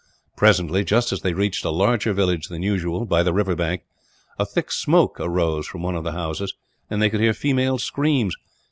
Presently, just as they reached a larger village than usual, by the river bank, a thick smoke arose from one of the houses, and they could hear female screams.